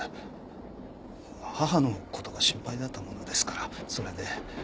母の事が心配だったものですからそれで。